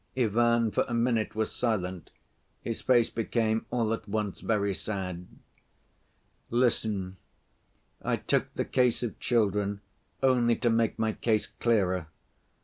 Ivan for a minute was silent, his face became all at once very sad. "Listen! I took the case of children only to make my case clearer.